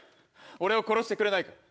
俺を殺してくれないか？